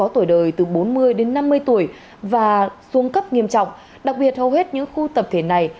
tuổi đời từ bốn mươi đến năm mươi tuổi và xuống cấp nghiêm trọng đặc biệt hầu hết những khu tập thể này